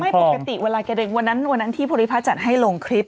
ไม่ปกติเวลาแกเดินวันนั้นที่พลิพาทจัดให้ลงคลิป